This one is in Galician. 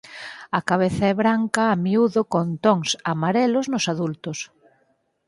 A cabeza é branca a miúdo con tons amarelos nos adultos.